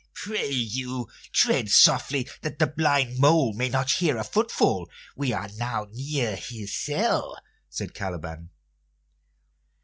"Pray you, tread softly, that the blind mole may not hear a footfall; we are now near his cell," said Caliban.